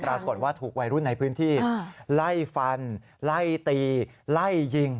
ปรากฏว่าถูกวัยรุ่นในพื้นที่ไล่ฟันไล่ตีไล่ยิง